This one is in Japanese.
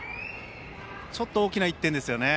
ちょっと大きな１点ですよね。